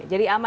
jadi aman ya